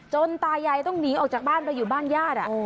ตายายต้องหนีออกจากบ้านไปอยู่บ้านญาติ